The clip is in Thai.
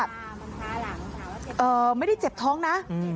มันชาหลังไม่ได้เจ็บท้องนะ